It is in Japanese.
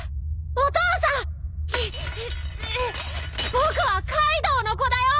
僕はカイドウの子だよ！